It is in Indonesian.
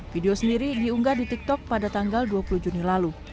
video sendiri diunggah di tiktok pada tanggal dua puluh juni lalu